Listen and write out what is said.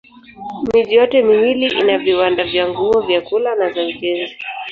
Miji yote miwili ina viwanda vya nguo, vyakula na za ujenzi.